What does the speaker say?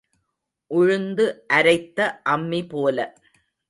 உழுந்து அரைத்த அம்மி போல.